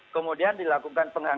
kemudian dilakukan pengendalian